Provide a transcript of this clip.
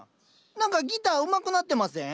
何かギターうまくなってません？